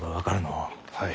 はい。